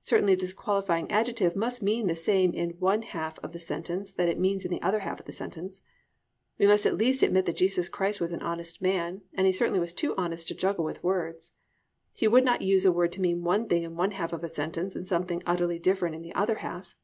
Certainly this qualifying adjective must mean the same in the one half of the sentence that it means in the other half of the sentence. We must at least admit that Jesus Christ was an honest man, and He certainly was too honest to juggle with words: He would not use a word to mean one thing in one half of a sentence and something utterly different in the other half.